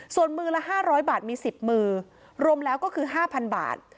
ส่วนมือละ๕๐๐บาทมี๑๐มือรวมแล้วก็คือ๕๐๐บาท